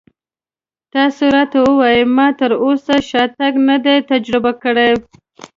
تاسې راته ووایئ ما تراوسه شاتګ نه دی تجربه کړی.